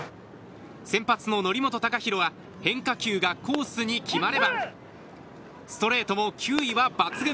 先発の則本昂大は変化球がコースに決まればストレートも球威は抜群。